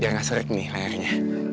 yang gak seret nih layarnya